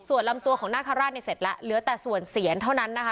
ส่วนลำตัวของนาคาราชเนี่ยเสร็จแล้วเหลือแต่ส่วนเสียนเท่านั้นนะคะ